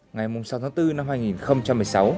ngày sáu tháng bốn năm hai nghìn một mươi sáu